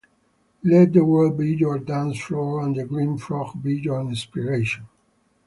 Let the world be your dance floor and the Green Frog be your inspiration.